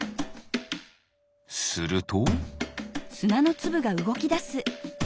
すると。